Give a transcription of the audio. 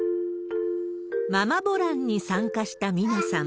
ママボランに参加した美奈さん。